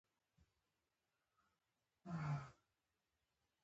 ملي امنیت د امرالله شو.